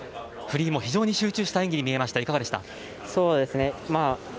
フリーも非常に集中した演技に見えました、いかがでした？